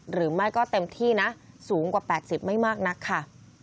หรือไม่ก็เต็มที่นะสูงกว่า๘๐ไม่มากนักค่ะ